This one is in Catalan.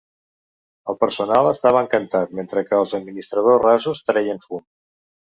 El personal estava encantat, mentre que els administradors rasos treien fum.